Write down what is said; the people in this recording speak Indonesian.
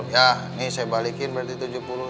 ya nih saya balikin berarti tujuh puluh nih